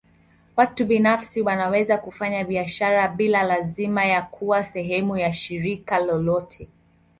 Watu binafsi wanaweza kufanya biashara bila lazima ya kuwa sehemu ya shirika lolote.